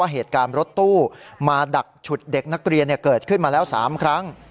เหตุการณ์รถตู้มาดักฉุดเด็กนักเรียนเกิดขึ้นมาแล้ว๓ครั้ง